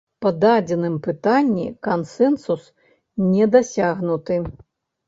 Па дадзеным пытанні кансэнсус не дасягнуты.